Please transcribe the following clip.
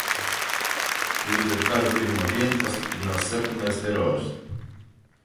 Līdz ar kara pirmo dienu pastiprinājās sarkanais terors.